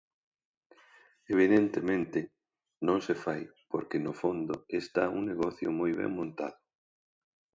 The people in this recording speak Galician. Evidentemente, non se fai porque no fondo está un negocio moi ben montado.